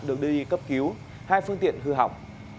được đưa đi cấp cứu hai phương tiện hư hỏng